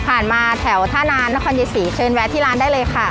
มาแถวท่าน้ำนครยายศรีเชิญแวะที่ร้านได้เลยค่ะ